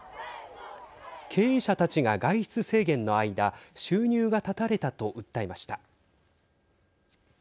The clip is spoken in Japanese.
経営者たちが外出制限の間収入が断たれたと訴えました。